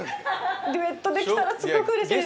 デュエットできたらうれしいです！